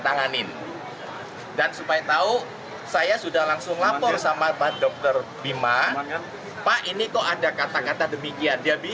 tidak ada komunikasi sama sekali